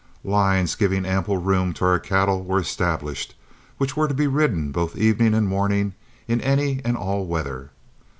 Lines giving ample room to our cattle were established, which were to be ridden both evening and morning in any and all weather.